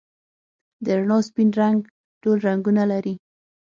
د رڼا سپین رنګ ټول رنګونه لري.